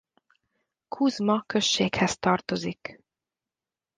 Kuzma községhez tartozik.